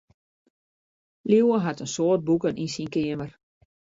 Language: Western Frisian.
Liuwe hat in soad boeken yn syn keamer.